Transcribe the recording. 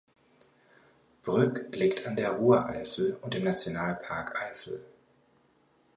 Brück liegt in der Rureifel und im Nationalpark Eifel.